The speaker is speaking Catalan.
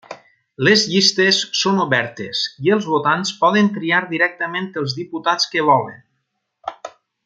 Les llistes són obertes i els votants poden triar directament els diputats que volen.